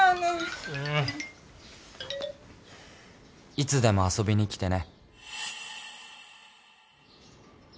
「いつでも遊びに来てね」